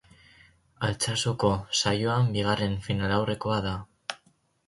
Altsasuko saioa bigarren finalaurrekoa da.